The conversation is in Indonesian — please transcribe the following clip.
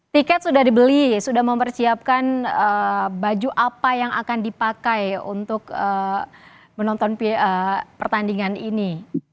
tiket sudah dibeli sudah mempersiapkan baju apa yang akan dipakai untuk menonton pertandingan ini